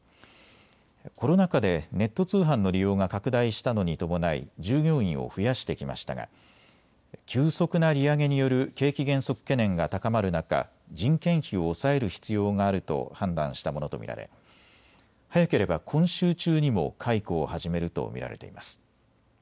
コロナ禍でネット通販の利用が拡大したのに伴い従業員を増やしてきましたが急速な利上げによる景気減速懸念が高まる中、人件費を抑える必要があると判断したものと見られ早ければ今週中にも解雇を始めると見られています。